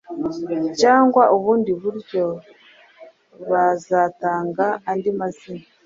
cyangwa ubundi buryo bazatanga andi mazi